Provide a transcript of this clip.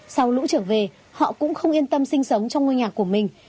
sau lũ trở về họ cũng không yên tâm sinh sống trong ngôi nhà của mình